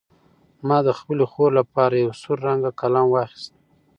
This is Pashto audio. ما د خپلې خور لپاره یو سور رنګه قلم واخیست.